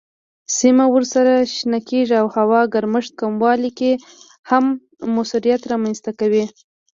سیمه ورسره شنه کیږي او هوا ګرمښت کمولو کې هم موثریت رامنځ کوي.